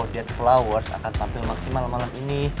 death flowers akan tampil maksimal malam ini